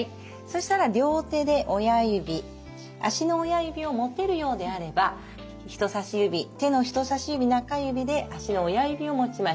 そしたら両手で親指足の親指を持てるようであれば人さし指手の人さし指中指で足の親指を持ちましょう。